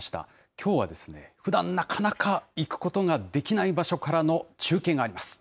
きょうはですね、ふだん、なかなか行くことができない場所からの中継があります。